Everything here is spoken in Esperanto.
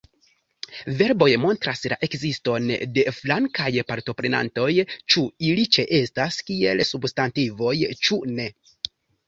Verboj montras la ekziston de flankaj partoprenantoj, ĉu ili ĉeestas kiel substantivoj, ĉu ne.